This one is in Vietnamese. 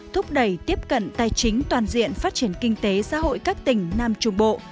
thúc đẩy tiếp cận tài chính toàn diện phát triển kinh tế xã hội các tỉnh nam trung bộ